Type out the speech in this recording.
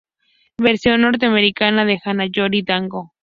Versión norteamericana de Hana Yori Dango.